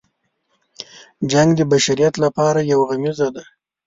جنګ د بشریت لپاره یو غمیزه ده.